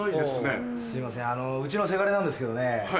すいませんうちのせがれなんですけどね